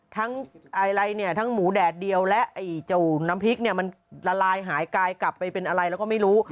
ทั้งหมูแดดเดียวและเจาน้ำพริกเนี่ยมันละลายหายกลายกลับไปเป็นอะไรแล้วก็ไม่รู้